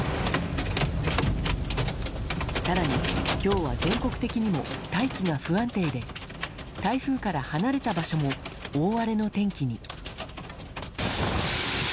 更に、今日は全国的にも大気が不安定で台風から離れた場所も大荒れの天気に。